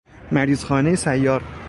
مریض خانه سیار